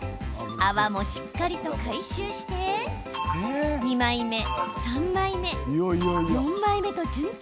泡もしっかりと回収して２枚目、３枚目、４枚目と順調。